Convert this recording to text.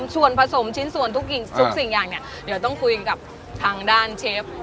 ส่วนผสมชิ้นส่วนทุกสิ่งอย่างเนี่ยเดี๋ยวต้องคุยกับทางด้านเชฟ